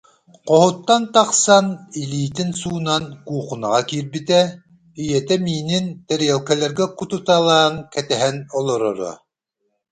Хоһуттан тахсан, илиитин суунан куухунаҕа киирбитэ, ийэтэ миинин тэриэлкэлэргэ кутуталаан кэтэһэн олороро